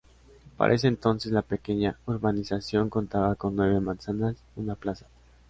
Para ese entonces, la pequeña urbanización contaba con nueve manzanas y una plaza.